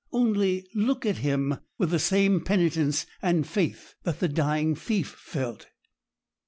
Only look at Him with the same penitence and faith that the dying thief felt.'